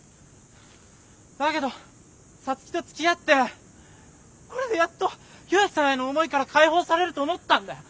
だけど皐月とつきあってこれでやっと悠さんへの思いから解放されると思ったんだよ。